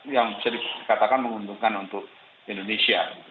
yang bisa dikatakan menguntungkan untuk indonesia